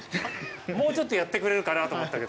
もうちょっとやってくれるかなと思ったけど。